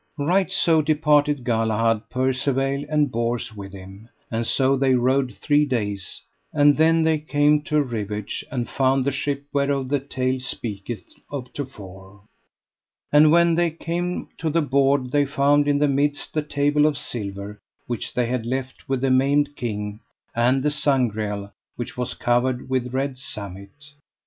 Right so departed Galahad, Percivale and Bors with him; and so they rode three days, and then they came to a rivage, and found the ship whereof the tale speaketh of to fore. And when they came to the board they found in the midst the table of silver which they had left with the Maimed King, and the Sangreal which was covered with red samite.